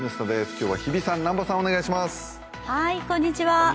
今日は日比さん、南波さん、お願いします。